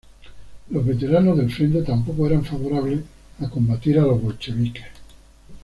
Los veteranos del frente tampoco eran favorables a combatir a los bolcheviques.